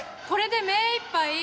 これで目いっぱい！